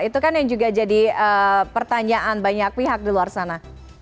itu kan yang juga jadi pertanyaan banyak pihak di luar sana